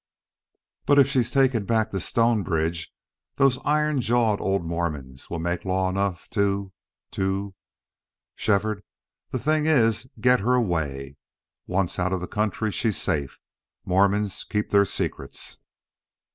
But if she's taken back to Stonebridge those iron jawed old Mormons will make law enough to to... Shefford, the thing is get her away. Once out of the country, she's safe. Mormons keep their secrets."